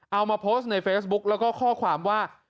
เอามาโพสต์ในเฟซบุ๊กแล้วก็ข้อความว่า